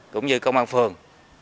cũng như công an phường